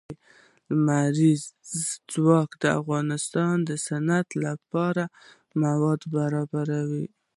لمریز ځواک د افغانستان د صنعت لپاره مواد برابروي.